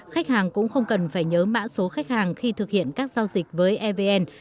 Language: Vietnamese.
khách hàng cũng không cần phải nhớ mã số khách hàng khi thực hiện các giao dịch với evn